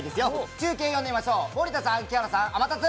中継呼んでみましょう、森田さん、木山さん、アマタツ。